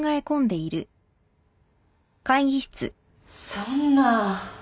そんな。